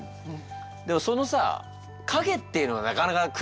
でもそのさ影っていうのはなかなか玄人だよね。